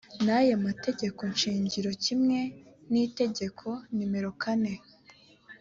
n aya mategeko shingiro kimwe n itegeko nimero kane